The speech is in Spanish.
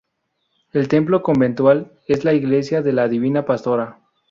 El templo conventual es la iglesia de la Divina Pastora.